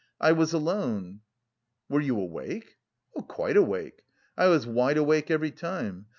I was alone." "Were you awake?" "Quite awake. I was wide awake every time.